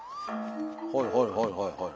はいはいはいはいはい。